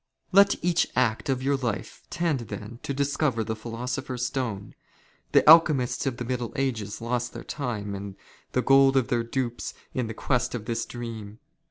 " Let each act of your life tend then to discover the Philo " sopher's Stone. The alchemists of the middle ages lost their " time and the gold of their dupes in the quest of this dream.